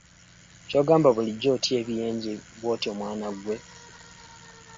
Ky'ogamba bulijjo otya ebiyenje bw'otyo mwana gwe?